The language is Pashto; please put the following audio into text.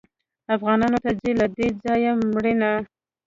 افغانانو ته ځي له دې ځایه مړینه